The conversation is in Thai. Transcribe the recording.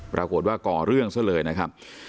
ปรากฏว่าก่อเรื่องซะเลยนะครับ